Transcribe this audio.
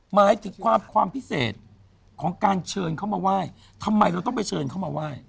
หมายถึงความความพิเศษของการเชิญเขามาไหว้ทำไมเราต้องไปเชิญเขามาไหว้